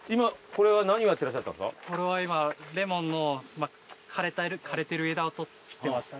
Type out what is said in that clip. これは今レモンの枯れてる枝を取っていましたね。